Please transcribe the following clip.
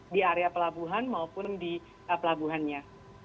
di area pelabuhan maupun di pelabuhannya